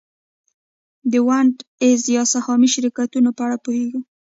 د ونډه ایز یا سهامي شرکتونو په اړه پوهېږو